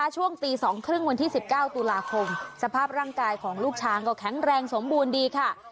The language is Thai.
ช่วงตี๒๓๐วันที่๑๙ตุลาคมสภาพร่างกายของลูกช้างก็แข็งแรงสมบูรณ์ดีค่ะ